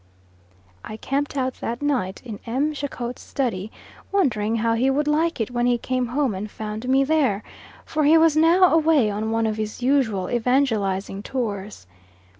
I camped out that night in M. Jacot's study, wondering how he would like it when he came home and found me there; for he was now away on one of his usual evangelising tours.